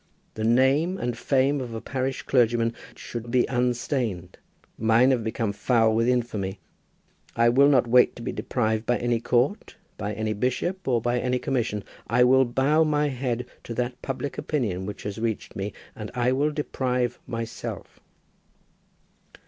The name and fame of a parish clergyman should be unstained. Mine have become foul with infamy. I will not wait to be deprived by any court, by any bishop, or by any commission. I will bow my head to that public opinion which has reached me, and I will deprive myself."